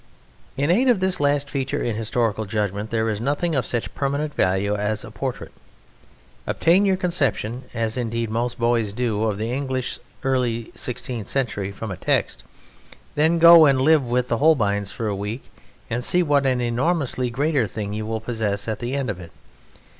In aid of this last feature in historical judgment there is nothing of such permanent value as a portrait. Obtain your conception (as, indeed, most boys do) of the English early sixteenth century from a text, then go and live with the Holbeins for a week and see what an enormously greater thing you will possess at the end of it.